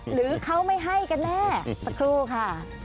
หรือเขาไม่ให้กันแน่สักครู่ค่ะ